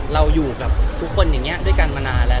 เราอยู่กับทุกคนอย่างนี้ด้วยกันมานานแล้ว